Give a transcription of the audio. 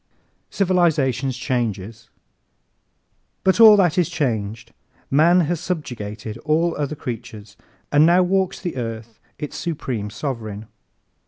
Civilization's Changes ¶ But all that is changed. Man has subjugated all other creatures and now walks the earth its supreme sovereign.